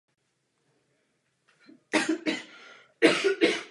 V následujících letech byl ředitelem kůru a kapelníkem na různých místech v Čechách.